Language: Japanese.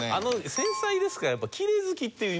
繊細ですからやっぱきれい好きっていうイメージが。